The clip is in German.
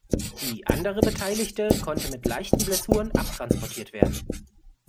Die andere Beteiligte konnte mit leichten Blessuren abtransportiert werden.